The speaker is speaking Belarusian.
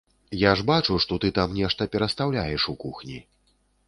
Я ж бачу, што ты там нешта перастаўляеш у кухні.